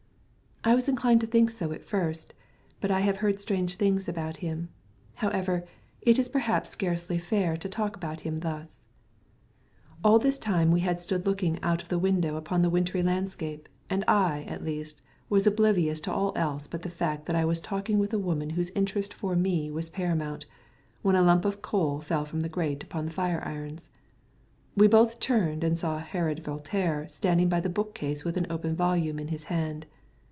"I was inclined to think so at first, but I have heard strange things about him. However, it is perhaps scarcely fair to talk about him thus." All this time we had stood looking out of the window upon the wintry landscape, and I, at least, was oblivious to all else but the fact that I was talking with the woman whose interest for me was paramount, when a lump of coal fell from the grate upon the fire irons. We both turned, and saw Herod Voltaire standing by a bookcase with an open volume in his hand.